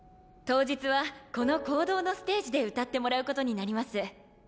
当日はこの講堂のステージで歌ってもらうことになります。